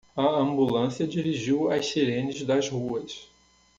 A ambulância dirigiu as sirenes das ruas.